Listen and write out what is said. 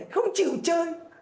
không chịu chơi